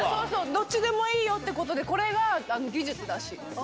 どっちでもいいよってことでこれが技術らしいです。